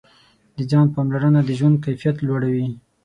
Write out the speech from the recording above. د ځان پاملرنه د ژوند کیفیت لوړوي.